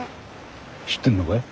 知ってんのかい？